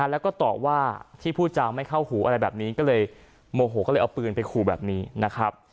แล้วก็ต่อว่าที่พูดจางไม่เข้าหูอะไรแบบนี้ก็เลยโมโหก็เลยเอาปืนไปขู่แบบนี้นะครับ